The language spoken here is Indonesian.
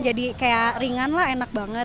jadi kayak ringan lah enak banget